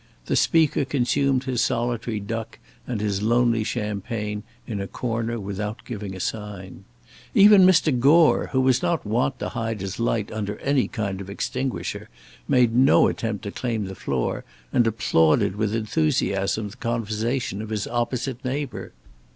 The Speaker consumed his solitary duck and his lonely champagne in a corner without giving a sign. Even Mr. Gore, who was not wont to hide his light under any kind of extinguisher, made no attempt to claim the floor, and applauded with enthusiasm the conversation of his opposite neighbour.